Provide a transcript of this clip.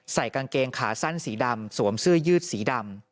กางเกงขาสั้นสีดำสวมเสื้อยืดสีดำ